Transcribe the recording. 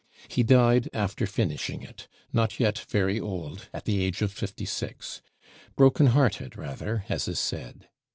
He died after finishing it; not yet very old, at the age of fifty six; broken hearted rather, as is said.